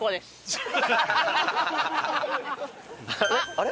あれ？